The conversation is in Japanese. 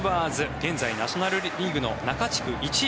現在ナショナル・リーグの中地区１位。